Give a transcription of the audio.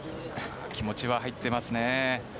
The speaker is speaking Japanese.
気持ちは入ってますね。